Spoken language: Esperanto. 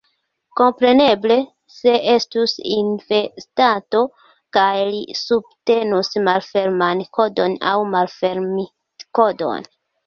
Kompreneble, se estus investanto kaj li subtenus malferman kodon aŭ malfermitkodon